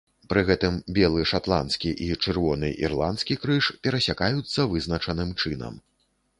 Пры гэтым белы шатландскі і чырвоны ірландскі крыж перасякаюцца вызначаным чынам.